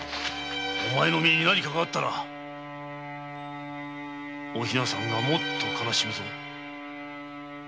お前の身に何かがあったらお比奈さんがもっと悲しむぞ。